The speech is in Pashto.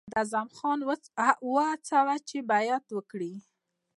محمداعظم خان وهڅاوه چې بیعت وکړي.